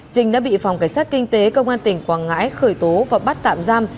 trinh đã bị phòng cảnh sát kinh tế công an tỉnh quảng ngãi khởi tố và bắt tạm giam